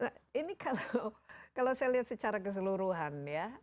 nah ini kalau saya lihat secara keseluruhan ya